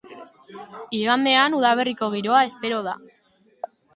Igandean udaberriko giroa espero da.